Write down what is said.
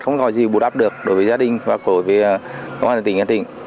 không gọi gì bù đắp được đối với gia đình và của công an tỉnh hà tĩnh